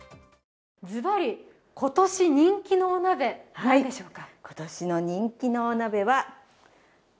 ずばり、今年人気の鍋何でしょうか？